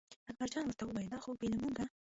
اکبرجان ورته وویل دا خو بې له مونږه.